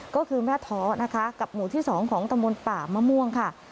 ก็คือแม่ท้อกับหมู่ที่๒ของตำบลป่าม่วงค่ะ